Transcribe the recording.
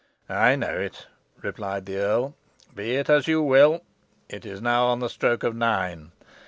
"I know it," replied the earl. "Be it as you will. It is now on the stroke of nine.